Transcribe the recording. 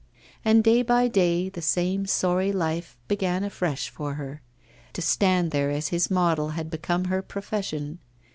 And day by day the same sorry life began afresh for her. To stand there as his model had become her profession.